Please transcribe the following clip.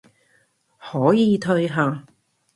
可以退下